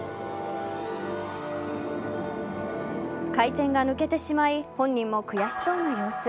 回転が抜けてしまい本人も悔しそうな様子。